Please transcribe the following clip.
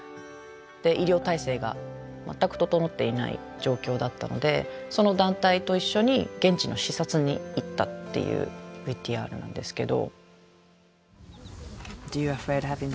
で医療体制が全く整っていない状況だったのでその団体と一緒に現地の視察に行ったっていうＶＴＲなんですけど。